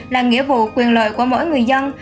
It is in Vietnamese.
là nghĩa vụ quyền lợi của mỗi người dân